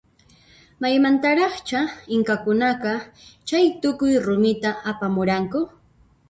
Maymantaraqcha inkakunaqa chaytukuy rumita apamuranku?